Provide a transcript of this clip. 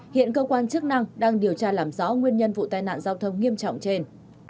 hiện cơ quan chức năng đang điều tra làm rõ nguyên nhân vụ tai nạn giao thông nghiêm trọng trên